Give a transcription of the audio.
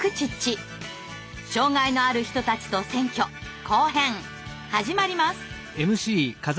障害のある人たちと選挙後編始まります！